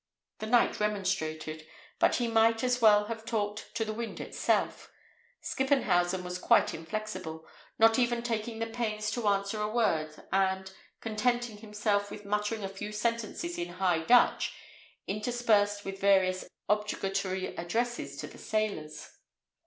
The knight remonstrated, but he might as well have talked to the wind itself. Skippenhausen was quite inflexible, not even taking the pains to answer a word, and, contenting himself with muttering a few sentences in high Dutch, interspersed with various objurgatory addresses to the sailors.